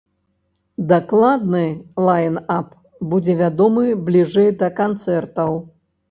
Дакладны лайн-ап будзе вядомы бліжэй да канцэртаў.